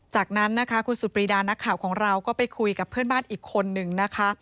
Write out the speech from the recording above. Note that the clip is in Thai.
จากนั้นนะคะคุณสุดปรีดานักข่าวของเราก็ไปคุยกับเพื่อนบ้านอีกคนนึงนะคะ